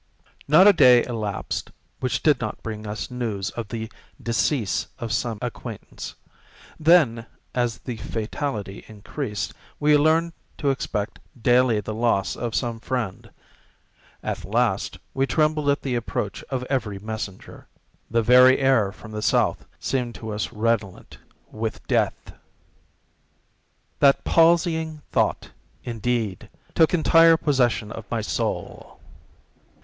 Not a day elapsed which did not bring us news of the decease of some acquaintance. Then as the fatality increased, we learned to expect daily the loss of some friend. At length we trembled at the approach of every messenger. The very air from the South seemed to us redolent with death. That palsying thought, indeed, took entire possession of my soul.